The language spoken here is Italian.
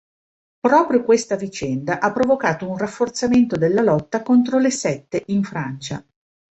Proprio questa vicenda ha provocato un rafforzamento della lotta contro le sette in Francia.